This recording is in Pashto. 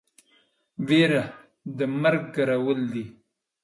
بيره د مرگ کرول دي.